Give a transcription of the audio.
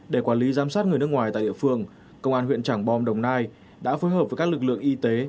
để quản lý giám sát người nước ngoài tại địa phương công an huyện trảng bom đồng nai đã phối hợp với các lực lượng y tế